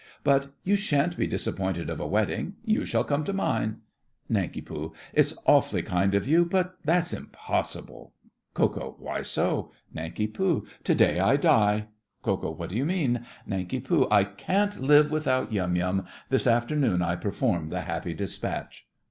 But you shan't be disappointed of a wedding—you shall come to mine. NANK. It's awfully kind of you, but that's impossible. KO. Why so? NANK. To day I die. KO. What do you mean? NANK. I can't live without Yum Yum. This afternoon I perform the Happy Despatch.